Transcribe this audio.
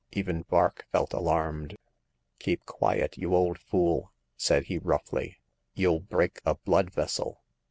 Even Vark felt alarmed. Keep quiet, you old fool !'' said he, roughly ; '*youll break a blood vessel!